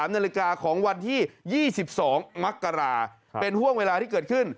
นาฬิกาของวันที่๒๒มกราเป็นห่วงเวลาที่เกิดขึ้น